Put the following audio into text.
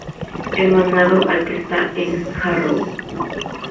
Hermanado al que está en Jarrow.